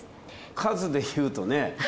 数でいうとね。